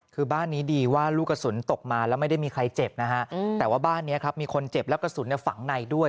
คือบ้านนี้ดีว่าลูกกระสุนตกมาแล้วไม่ได้มีใครเจ็บนะฮะแต่ว่าบ้านนี้ครับมีคนเจ็บแล้วกระสุนฝังในด้วย